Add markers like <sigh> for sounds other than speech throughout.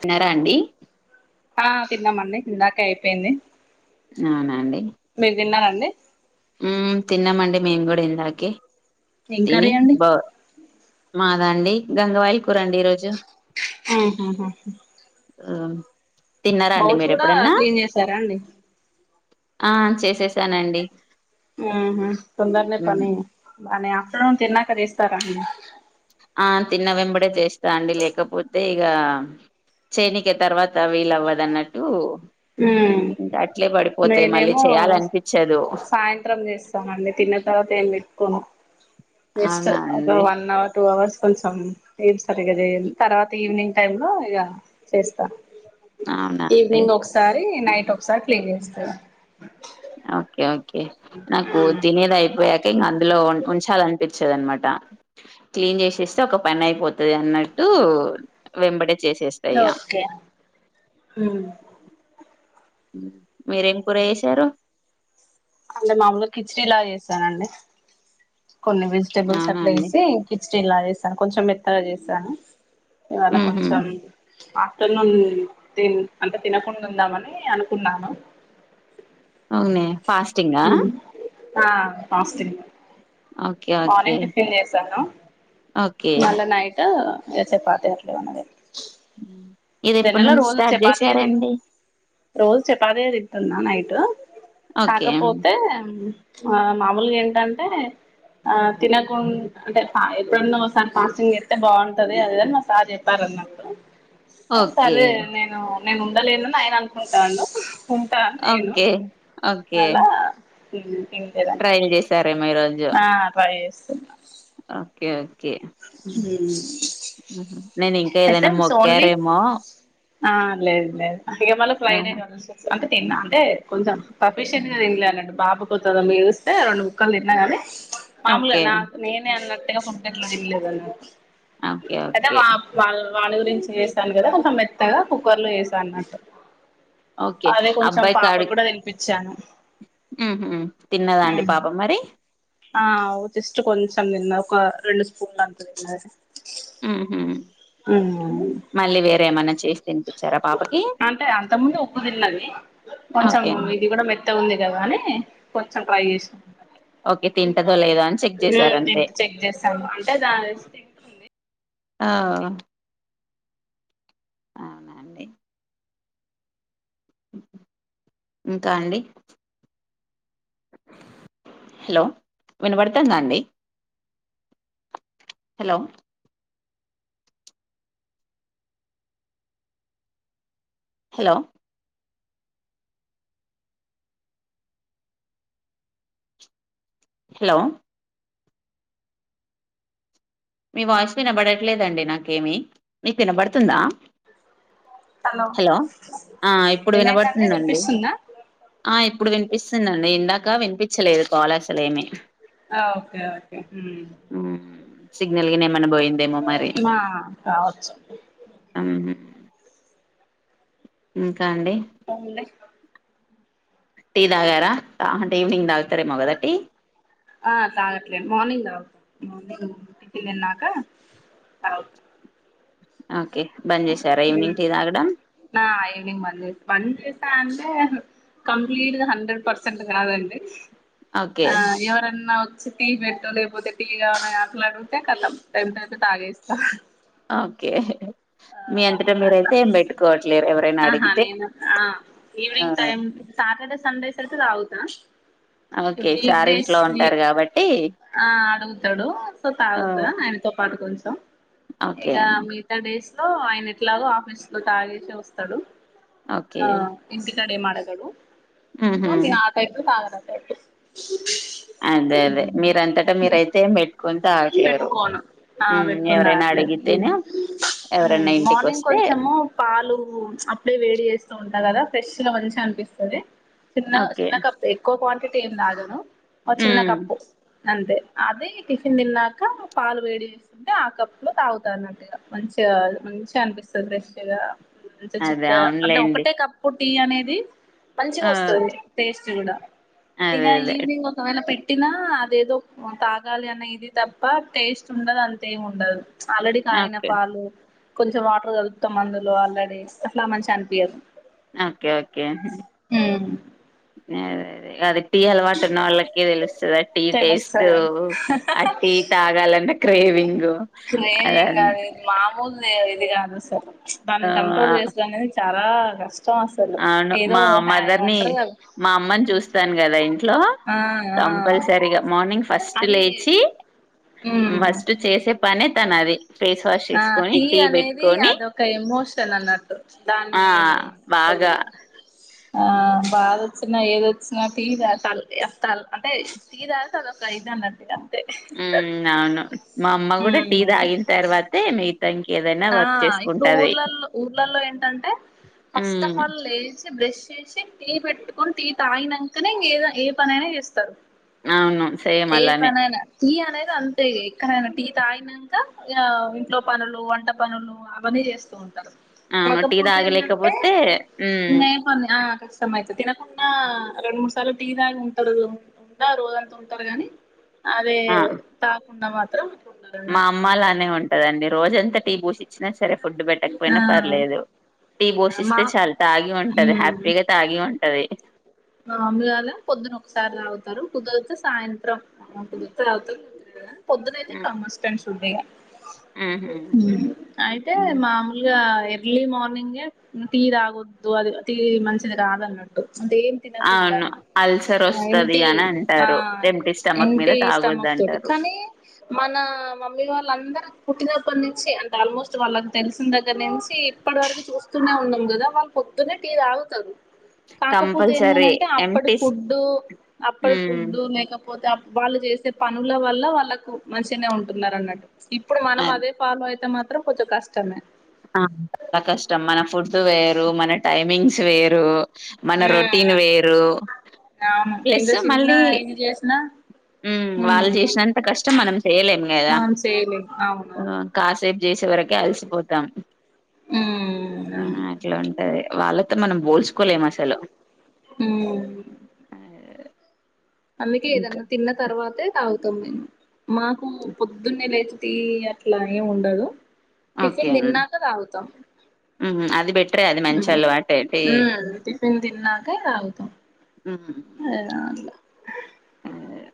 తిన్నార అండి ఆ తిన్నామండి ఇందాకే అయిపోయింది అవునా అండి అండి ఉ తిన్నామండి మేము కూడాడిందాకె ఏం కర్రీ తిని అండి బా మాదా అండి గంగవాయిల్ కూరండి ఈరోజు ఆహ ఆ తిన్నారాండి మీరు ఎపుడైన క్లీన్ చేసారా అండి ఆ చేసేసానండి ఆహా తొందరనే మ్మ్ పని అనే ఆఫ్టర్నూన్ తిన్నాక చేస్తానండి ఆ తిన్న వెంబడే చేస్తా అండి లేకపోతే ఇగ చేనికే తర్వాత వీలవ్వదు అన్నట్టు ఊ అట్టే పడిపోతాయి మళ్ళీ చేయాలి అనిపిచ్చదు సాయంత్రం చేస్తామండి తిన్న తర్వాత ఏం పెట్టుకోను జస్ట్ అవునా అదొ అండి వన్ అవర్ టూ అవర్స్ కొసం ఏ సరిగా చేయను తర్వాత ఈవినింగ్ టైమ్ లో ఇగ చేస్తా అవునా అండి అది నైట్ ఒకసారి క్లీన్ చేస్తారు ఓకే ఓకే నాకు తినేది అయిపోయాక ఇంక అందులో ఉంచాలనిపి చ్చదనమాట క్లీన్ చేసేస్తే ఒక పని అయిపోతది అన్న టు వెంబడే చేసేస్త ఇగ ఓకే ఉమ్ మీరేం కూర చేశారు అంటే మామూలుగా కిచిడిలా చేస్తానండి కొన్ని వెజిటేబుల్స్ అవునా అండి అట్లేసి కిచిడీ లా చేసాను కొంచెం మెత్తగా చేసాను ఇవాళ ఉహు కొంచెం ఆఫ్టర్నూన్ తిన్ అంటే తినకుండా ఉందామని అనుకున్నాను అవునే ఫాస్టింగా ఆ fasting okay okay morning tiffin చేశాను ఓకే మళ్ళా నైట్ ఇగ చపాతి అట్ల ఉన్నది ఇది ఎప్పటి జనరల్గా నుంచి రోజు స్టార్ట్ చపాతీయే తిన్ చేశారండి రోజు చపాతీయే తింటున్న నైట్ ఓకే కాకపోతే ఆ మామూలుగా ఏంటంటే ఆ తినకుం అంటే ఎప్పుడన్నా ఒకసారి ఫాస్టింగ్ చెత్తే బాగుంటంది అది ఇదని మా సార్ చెప్పారు అన్నట్టు ఓకే సరే నేను నేను ఉండలేనని ఆయన అనుకుంటాండు ఉంటా అని నేను ఓకే ఓకే అలా తినలేదన్నమాట ట్రైల్ చేశారేమో ఈ రోజు ఆ ట్రై చేస్తున్న ఓకే ఓకే నేనిం ఆ లేదు లేదు ఇగ మల్ల ఫ్రైడే కలుస్ అంటె తిన్న కొంచం పబ్లిసిటి తింలే అన్నట్టు బాబు పోతడని ఎరుస్తే రెండు ముక్కలు తిన్నా కాని మామలుగా ఓకే నాకు నేనే అన్నట్ ఇగ ఫుడ్ ఏట్లో తిన్లేదు ఓకే ఓకే వాణి గురించి చేసాను కదా కొంచం మెత్తగా కుక్కర్ లో యేసా అన్నట్టు ఓకే అదే కొంచెం పాప కూడా తినిపిచ్చాను ఉ హు తిన్నదా అండి పాప మరి ఆ జస్ట్ కొంచెం తిన్న ఒక రెండు స్పూన్లు అంతా తిన్నది ఉహు మళ్ళీ వేరేమన్నా చేసి తీన్ అంటే అంత ముందు ఉప్పు తిన్నది కొంచెం ఓకే ఇది కూడా మె త్తగుంది కదా అని కొంచెం ట్రై చేస్ ఓకే తింటదో లేదో అని చెక్ చేసారు అంతే తింట చెక్ చేస్తాము అంటే దాని ఆ అవునండి ఇంకా అండి హలో వినబడుతుందా అండి హలో హలో హలో మీ వాయిస్ వినబడట్లేదండి నాకేమి మీక్ ఇనబడుతుందా హలో ఆ ఇప్పుడు ఏమైందండి వినబడుతుందండి వినిపిస్తుందా ఆ ఇప్పుడు విన్పిస్తుందండి ఇందాక వినిపిచ్చలేదు కోల అస్సలేమి ఆ ఓకే ఓకే హ్ సిగ్నల్ గిన ఏమన్న పోయిందేమో మరి మా కావచ్చు మ్ అవున్లె టీ తాగారా అంటే ఈవెనింగ్ తాగుతరేమో కదా టీ ఆ తాగ్గట్లేను మార్నింగ్ తాగుత మార్నింగ్ టిఫిన్ తిన్నాక అవ్ అ మ్ నా ఈవెనింగ్ మళ్ళీ బంద్ చేస్తా అన్ కంప్లీట్గా హండ్రెడ్ పర్సెంట్ కాదండి. ఓకే ఆ ఎవరన్నా వత్తే టీ పెట్టో లేకపోతే టీ కావాలని అట్ల అడిగితే ఖతం టెమ్ట్ అయిపోయి తాగేస్తాం. ఓకే. మీ అంతట అట్లా మీరైతే ఏం పెట్టుకోవట్లేరు ఎవరైనా ఆహా అడిగితే నేను ఆ ఆ ఈవినింగ్ టైం సాటర్డే, సండేస్ అయితే తాగుతా. ఇగ ఓకే వీక్ సార్ డేస్ ఇంట్లో ఉంటారు వీక్ కాబట్టి ఆ అడుగు తడూ సో ఆ తాగుతా ఆయనతో పాటు కొంచం ఓకే ఇగ మిగతా డేస్ లో ఆయన ఎట్లాగో ఆఫీస్లో తాగేసే వస్తడు. ఓకే ఆ ఇంటి కాడు ఏం అడగడు సో ఉహు నాకైతే తాగాలని లేదు. అదే అదే మీరంతట మీరైతే ఏం తాగట్లేరు. పెట్టుకోను ఆ ఉమ్ పెట్టుకొని ఎవరైన అడగతేనె ఎవర్ మ్ మార్నింగ్ కొంచము పాలూ అప్పుడే వేడి చేస్తూ ఉంట కదా ఫ్రెష్గ మంచిగ అనిపిస్తది చిన్న ఓకే చిన్న కప్పే ఎక్కువ క్వాంటిటీ ఏం తాగాను. ఓ చిన్న ఉమ్ కప్పు. అంతే అది టిఫిన్ తిన్నాక పాలు వేడి చేస్తుంటే ఆ కప్పులో తాగుతా అన్నట్టు ఇగ మంచి మంచిగ అనిపిస్తది ఫ్రెష్గా మంచిగ అదే చిక్కగా అంటే అవునులేండి ఒకటే కప్పు టీ అనేది మంచిగా ఆ వస్తది టేస్ట్ గుడా ఇగ అదే అదే ఈవినింగ్ ఒకాన పెట్టి ట్టినా అదేదో తాగాలి అన్న ఇది తప్ప టేస్ట్ ఉండదు అంతేం ఉండదు. ఆల్రెడీ కాగిన ఓకే పాలు. కొంచం వాటర్ కలుపుతాం అందులో ఆల్రెడీ అట్లా మంచిగ అనిపీయదు. ఓకే ఓకే గదే <unintelligible> టీ అలవాటున్న వాళ్ళకే తెలుస్తదా టీ టేస్ట్ తెలుస్తది ఆ టీ తాగాలన్న క్రేవింగ్ అద క్రేమింగ్ గాదు ఇది మామూల్దే ఇది కాదుసార్ దాన్ని ఆ కంట్రోల్ చేసుడనేది చా లా కష్ అవును మా మదర్నీ కదా మా అమ్మని చూస్తాను గదా ఇంట్లో ఆ ఆ కంపల్సరీగ మార్నింగ్ ఫస్ట్ అది లేచి ఉమ్ ఫస్ట్ చేసే పనే తనది. ఆ టీ అనేది అదొక ఎమోషన్ అన్నట్టు ఆ దాన్నీ హలో! బాగా <unintelligible> బాదొచ్చిన, ఏదొచ్చినా టి తా తల్ తల్ అంటే టీ తాగితే అదొక ఇద్ అన్నట్టు ఇగ మ్ అవును మా అమ్మ గుడా టీ తాగిన్ తర్వాతే మి ఆ ఇప్పుడు ఊర్లల్లో ఊర్లలో ఏంటంటే ఫస్ట్ ఆఫ్ ఉమ్ ఆల్ లేచి బ్రష్ చేసి టీ పెట్టుకొన్ టీ తాగినంకనే ఏ ద ఏ పనైనా చేస్తరు. అవును సేమ్ అలానే టీ అనేది అంతే ఎక్కడైనా టీ తాగినక ఇగ ఇంట్లో పనులు వంట పనులు అవన్నీ చేస్తూ ఉంటారు అవును టీ కాకపోతే ఏంటంటే తాగలేకపోతే హ్మ్ ఉండే పని ఆ కష్టమ ఐతే తినకుండా రెండు మూడు సార్లు టీ తాగి ఉంటారు దా రోజంతా ఉంటారు గాని అదే ఆ తాకుండా మాత్రం మా ఉండాలన్నట్టు. అమ్మ అలానే ఉంటదండి రోజ ఎంత టీ పూసి ఇచ్చినా సరే ఫుడ్ ఆ పెట్టకపోయినా పర్లేదు టీ మా పోషిస్తే చాలా తాగి ఉంటది ఉమ్ హ్యాపీగా తాగి ఉంటది మా మమ్మీ వాళ్ళ పొద్దున ఒకసారి తగుతారు కుదరితే సాయంత్రం ఆ కుదిరితే తవుతారు పొద్దునతే అ మోస్ట్ అండ్ షుడ్ ఈగ ఉహు అయితే మామూలుగా ఎర్లీ మార్నింగే టీ తగొద్దు అది టీ మంచిది కాదున్నట్టు అంటే తినకుండా అవును అల్సర్ వస్తది ఎంప్టీ అని ఆ అంటారు ఎంప్టీ స్టమక్ మీద ఎంప్టీ తాగొద్దు స్టమక్ తోటి అంటారు ఇట్ల కానీ మన మమ్మీ వాళ్ళందరు పుట్టినపట్నుంచి అంటే ఆల్మోస్ట్ వాళ్ళకి తెలిసిన దగ్గర నుంచి ఇప్పటి వరకు చూస్తూనే ఉన్నాం కదా వాళ్ళ పొద్దునే టీ తాగుతారు కంపల్ అంటే అప్పటి ఫుడ్ అప్పటి హ్మ్ ఫుడ్ లేక పోతే వాళ్ళు చేసే పనుల వల్ల వాళ్ళకు మంచినే ఉంటున్నారు అన్నట్టు ఇప్పుడు మనం అది అదే ఫాలో అయితే మాత్రం కొంచెం కష్టమే చాలా కష్టం మన ఫుడ్ వేరు మన టైమింగ్స్ వేరు మన రొటీన్ ఉమ్, వేరు అవును ఇంత ప్లస్ చిన్న మళ్ళీ ఇది చేసినా ఉ వాళ్ళు ఉమ్, చేసినంత కష్టం మనం చేయలేము కదా మనం చేయలేం అవునవును ఆ కాసేపు చేసే వరకే అలసిపోతాం హ్మ్ ఆ అవును అట్లా ఉంట ఏ వాళ్ళతో మనం పోల్చుకోలేము అసలు హ్మ్ అందుకే ఏదన్నా తిన్న తర్వాతే తాగుతాం మేము మాకు పొద్దున్నే లేచ టీ అట్లా ఏం ఉండదు ఓకే. టిఫిన్ హ్మ్. తిన్నాక తాగుతాం హ్మ్. అది బెటరే అది మంచి ఉ అలవాటే. టీ ఊ టిఫిన్ తిన క తగుతమ హ్మ్. ఆ ఆహ్,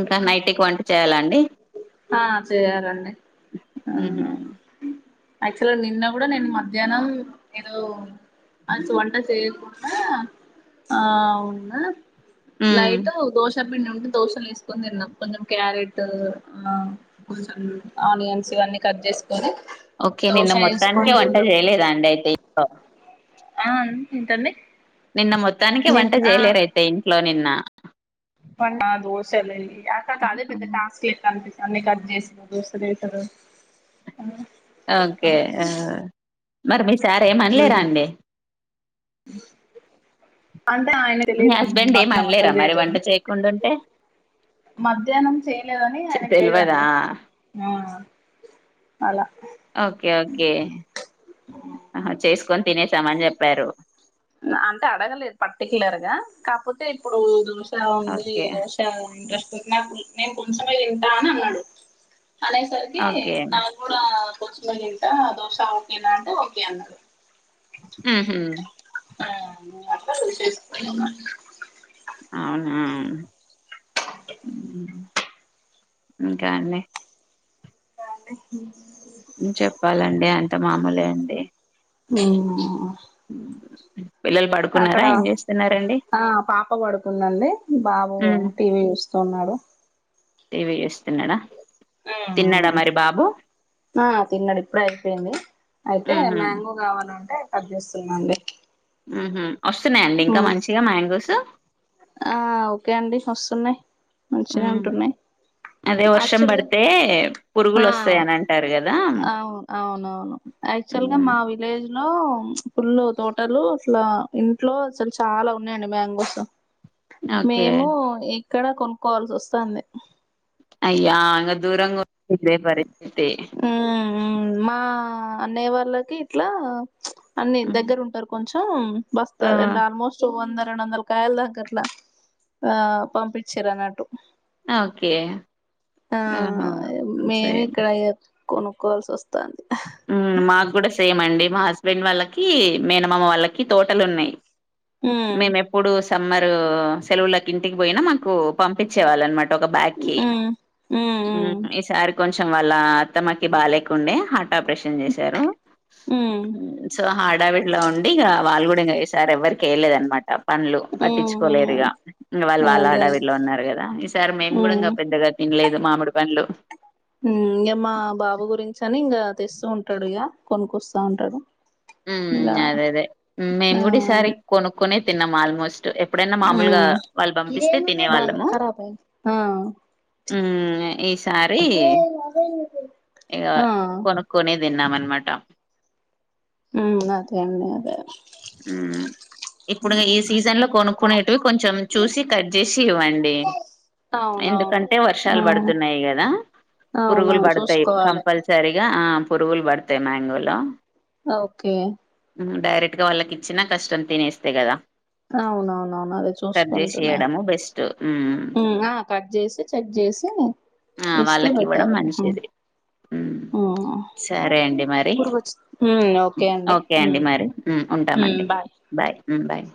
ఇంకా నైటిక్ వంటి చేయాలండి ఆ చేయాలండి యాక్టువల్గా నిన్న కూడా నేను మధ్యాహ్నం ఏదో ఆ వంట చేయకుండా ఆవున్న హ్మ్. నైట్ దోష చప్పండి ఉంటే దోసలు వేసుకొని తిన్నాం కొంచెం క్యారెట్ కొంచెం ఆనియన్స్ ఇవ్వని కట్ చేసుకొని ఓకే దోశ నిన్న మొత్తానికే వేసుకొని వంట తిన్నాం చేయలేదాండి అయితే ఇం ఆ ఏంటడి నిన్న మొత్తానికి వంట చేయలేరైతే ఇంట్లో నిన్న దోశాలండి అక్క అదే పెద్ద టాస్క్ లెక్క అనిపి అన్నన్ని కట్ చేసారు దోసలవేసుడో ఓకే మరి మీ సార ఏమనలేరా అండి అ అంటే ఆయన కు మీ తెలియదుండి నేను హస్బెండ్ ఏం మధ్యనం వంట అనలేరా మరి చేయలేదు వంట చేయకుండుంటే? మధ్యాహ్నం చేయలేదని చె ఆయన తెల్వదా? తెలీదండి అ ఓకే ఓకే అహ చేసుకొని తినేసామని చెప్పారు అంటే అడగలేదు పర్టిక్యులర్ గా కాకపోతే ఇప్పుడు ఉందిో ఓకే. చాలా ఇంట్రెస్ట్ నాకు నేను కొంచెమే తింటా అని అన్నాడు అదే సరికి ఓకే. నాకు కూడా కొంచెమే తింటా దోశ ఓకేనా అంటే ఓకే అన్నడు మ్ హు అ అట్లా చూస్ <unintelligible> నున్న మ్ ఇంకా అండి ఇంకా అండి చెప్పాలండి అంత మామూలే అండి మ్ అ అక్కడ ఆ పాప పడుతుందండి బాబు టీవీ చూస్ తున్నాడు టివి చేస్తున్నాడా తిన్నాడా మరి బాబు ఆ తిన్నాడు ఇప్పుడే అయిపోయింది అయితే హుహు. మ్యాంగో కావాలంటే కట్ చేస్తునండి మ్ హు వస్తున్నాయండి ఇంకా మంచిగా మ్యాంగోస్ ఆ ఓకే అండి వస్తున్నాయి్ మంచిగానే హ్మ్. ఉంటున్నాయి అదే వర్షం యాక్చువల్ గా పడితే ఆ పురుగులు వస్తాయని అంటారు కద్ అవును అవునవును యాక్చువల్ గా హ్మ్. మా విలేజ్ లో పుల్ తోటలు అట్లా ఇంట్లో అసలు చాలా ఉన్నాయండి మ్యాంగోస్ ఓకే మేము ఇక్కడ కొనుక్కోవాల్సి వస్థంది అయ్యా ఇంగ దూరంగ ఇదే పరిస్తితి ఉమ్, ఉమ్. మా అన్నయ్య వాళ్ళకి ఇట్లా అన్ని హ్మ్. దగ్గర ఉంటారు కొంచెం బస్త ఆ అండ్ ఆల్మోస్ట్ వంద రెండు వందల కాయల దన్క అట్ల పంపించిరన్నట్టు ఓకే ఆ ఆహా మేమి సేమ్ ఇక్కడ ఇగ కొనుక్కోవాల్సి వస్థంది మ్ మా కూడా సేమ్ అండి మా హస్బెండ్ వాళ్ళకి మేనమామ వాళ్ళకి తోటలున్నాయి హ్మ్ మేము ఎప్పుడు సమ్మర్ సెలవులకి ఇంటికి పోయినా మాకు పంపించే వాళ్ళన్నమ ట ఒక బ్యాగ్ కి హ్మ్ హ్మ్ హ్మ్ ఈ సారి కొంచెం వాళ్ళ అత్తమ్మకి బాలేకుండే హార్ట్ ఆపరేషన్ చేశారు హ్మ్ సో ఆ హడావిడ్లో ఉండి ఇగ వాళ్ళు కూడా ఇంకా ఈసార్ ఎవరికిేయలేదనమాట పనులు పట్టించుకోలేరు ఇగ హ్మ్. ఇగ వాళ్ళు వాళ్ళ అదే ఆడవిడిలా ఉన్నారు కదా ఈసారి మేము కూడా హ్మ్ ఇంకా పెద్దగా తినలేదు మామిడి పండ్లు మ్ ఇంగ మా బాబు గురించంచి అని ఇంగ తెస్తూ ఉంటాడు ఇగ కొనుకొస్తూ ఉంటాడు ఇంగ మ్ అదే అదే మేము ఆ కూడా ఈసారి కొనుక్కకునే తిన్నాం ఆల్మోస్ స్ట్ ఎప్పుడైనా మామూలుగా హ్మ్ వాళ్ళు పంపిస్తే బాలే తినేవాళ్ళము ఖరాబ్ అయింది ఆ మ్ ఈసారి ఇగ ఆ కొనుక్కునే తిన్నామన్నమాట హ్మ్ అదే అండి అదే అ ఇప్పుడు ఈ సీజన్ లో కొనుక్కునేటివి కొంచెం చూసి కట్ చేసి ఇవ్వండి. అవునవును ఎందుకంటే ఆ వర్షాలు పడుతున్నాయి కదా. పురుగులు అవునవును పడతాయి చూసుకోవాలే కంపల్సరిగా ఆ పురుగులు పడతాయి మ్యాంగ లో ఓకే డైరెక్ట్ గా వాళ్ళకి ఇచ్చినా కష్టం తినేస్తే కదా అవునవునవును అదే కట్ చేసి చూసుకుంటున్నా ఇయడము బెస్ట్ ఉమ్ ఉ ఆ కట్ చేసి చ చేసి ఆ ఇస్తే వాళ్ళకి ఇవ్వడం పెట్టారు మంచిది ఉమ్ ఉ ఊ సరే అండి మరి పురుగు వచ్చి ఉ ఓకే అండి ఉ ఉంటామండి బాయ్ మ్ బాయ్